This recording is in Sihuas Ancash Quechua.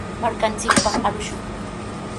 Markanchikpaq arushun.